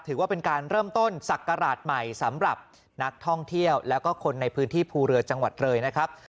ถือว่าเป็นการเริ่มต้นศักราชใหม่สำหรับนักท่องเที่ยวแล้วก็คนในพื้นที่ภูเรือจังหวัดเลยนะครับ